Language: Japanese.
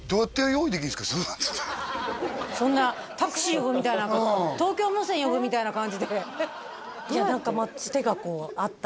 はいそんなタクシー呼ぶみたいな東京無線呼ぶみたいな感じでいや何かまあつてがこうあったんですよ